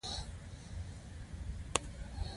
په میخانیکي، ترکاڼۍ، ولډنګ کاري، ودانیو کې ګټه اخیستل کېږي.